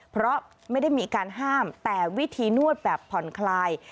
เพราะไม่ได้มีการห้ามแต่วิธีนวดแบบผ่อนคลาย